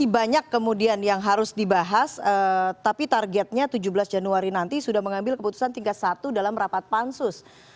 banyak kemudian yang harus dibahas tapi targetnya tujuh belas januari nanti sudah mengambil keputusan tingkat satu dalam rapat pansus